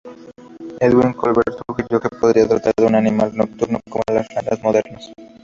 Edwin Colbert sugirió que podría tratarse de un animal nocturno, como las ranas modernas.